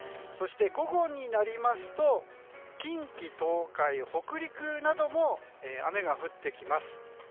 そして午後になりますと近畿、東海・北陸なども雨が降ってきます。